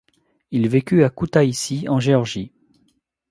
Il vécut à Koutaïssi en Géorgie.